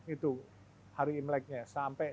itu hari imreknya sampai